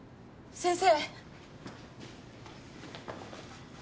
先生。